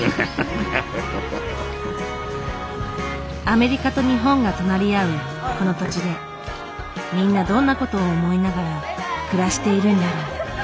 アメリカと日本が隣り合うこの土地でみんなどんな事を思いながら暮らしているんだろう。